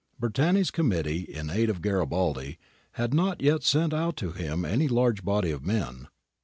Bertani's Committee in Aid of Garibaldi had not yet sent out to him any large body of men.